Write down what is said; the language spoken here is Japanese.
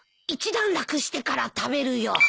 一段落してから食べるよ。